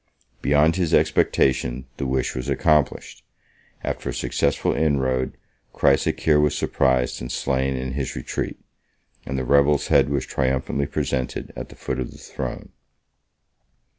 Beyond his expectations, the wish was accomplished: after a successful inroad, Chrysocheir was surprised and slain in his retreat; and the rebel's head was triumphantly presented at the foot of the throne.